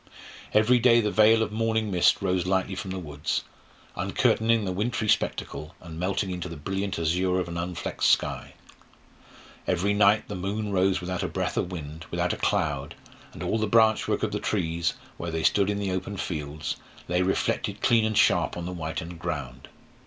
Every day the veil of morning mist rose lightly from the woods, uncurtaining the wintry spectacle, and melting into the brilliant azure of an unflecked sky; every night the moon rose without a breath of wind, without a cloud; and all the branch work of the trees, where they stood in the open fields, lay reflected clean and sharp on the whitened ground.